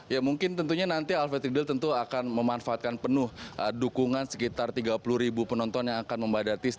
ya mungkin tentunya nanti alfred riedel tentu akan memanfaatkan penuh dukungan sekitar tiga puluh ribu penonton yang akan membadati